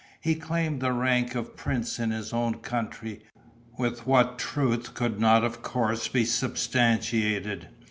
He claimed the rank of prince in his own country, with what truth could not of course be substantiated.